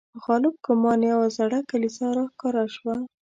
په غالب ګومان یوه زړه کلیسا را ښکاره شوه.